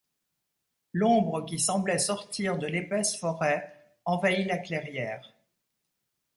L’ombre qui semblait sortir de l’épaisse forêt envahit la clairière